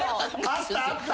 あったあった。